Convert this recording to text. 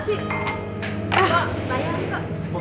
bu bayar aja bu